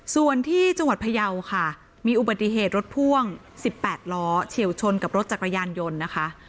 ส่วนที่จังหวัดพยาวค่ะมีอุบัติเหตุรถพ่วง๑๘ล้อเฉียวชนกับรถจักรยานยนต์นะคะ